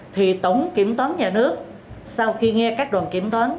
thì tổng kiểm toán nhà nước sau khi nghe các đoàn kiểm toán